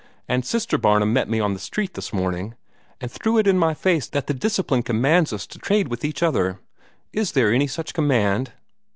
And Sister Barnum met me on the street this morning, and threw it in my face that the Discipline commands us to trade with each other. Is there any such command?"